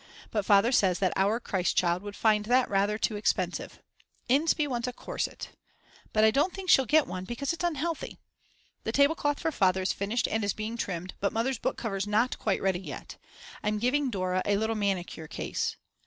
But Father says that our Christ Child would find that rather too expensive. Inspee wants a corset. But I don't think she'll get one because it's unhealthy. The tablecloth for Father is finished and is being trimmed, but Mother's book cover is not quite ready yet. I'm giving Dora a little manicure case.